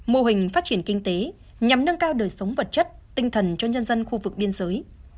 mô hình phát triển kinh tế nhằm nâng cao đời sống vật chất tinh thần cho nhân dân khu vực biên giới